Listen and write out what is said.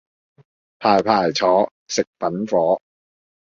排排坐，食粉果